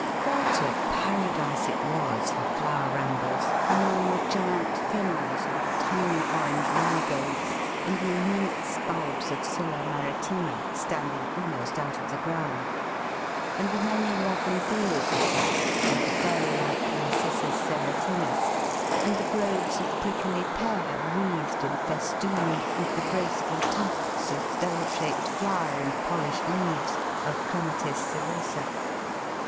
What a paradise it was for flower rambles, among the giant Fennels and the tiny orange Marigolds, and the immense bulbs of Scilla maritima standing almost out of the ground, and the many lovely Bee orchises and the fairy like Narcissus serotinus, and the groves of Prickly Pear wreathed and festooned with the graceful tufts of bell shaped flower and polished leaves of Clematis cirrhosa!